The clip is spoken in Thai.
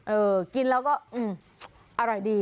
เออกินแล้วก็อร่อยดี